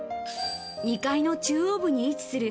２階の中央部に位置する